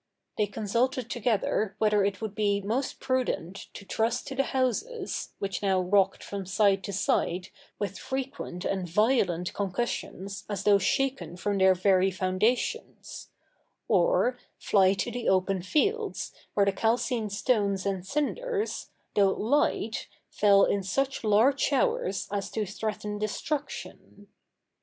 They consulted together whether it would be most prudent to trust to the houses, which now rocked from side to side with frequent and violent concussions as though shaken from their very foundations; or fly to the open fields, where the calcined stones and cinders, though light, fell in such large showers as to threaten destruction.